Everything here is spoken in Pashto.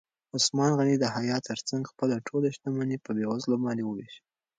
عثمان غني د حیا تر څنګ خپله ټوله شتمني په بېوزلو باندې ووېشله.